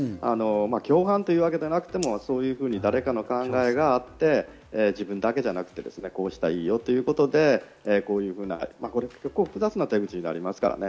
共犯というわけではなくても、そういうふうに誰かの考えがあって自分だけじゃなくて、こうしたらいいよということで複雑な手口になりますからね。